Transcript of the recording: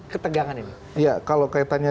ketegangan ini ya kalau kaitannya